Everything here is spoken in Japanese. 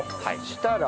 したら。